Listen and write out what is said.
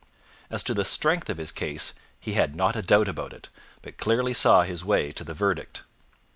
As to the strength of his case, he had not a doubt about it, but clearly saw his way to the verdict.